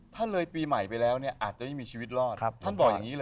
ถ้าเลยปีใหม่ไปแล้วเนี่ยอาจจะไม่มีชีวิตรอดท่านบอกอย่างนี้เลย